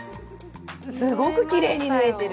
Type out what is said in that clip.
すごくきれいに縫えてる。